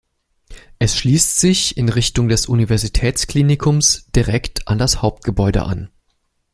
Es schließt sich in Richtung des Universitätsklinikums direkt an das Hauptgebäude an.